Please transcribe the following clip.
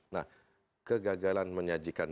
nah kegagalan menyajikan